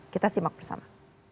kita simak bersama